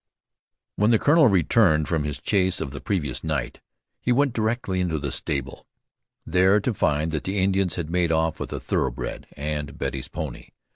When the colonel returned from his chase of the previous night, he went directly to the stable, there to find that the Indians had made off with a thoroughbred, and Betty's pony.